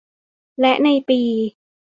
และในปี